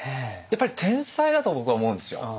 やっぱり天才だと僕は思うんですよ。